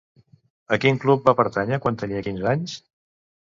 A quin club va pertànyer quan tenia quinze anys?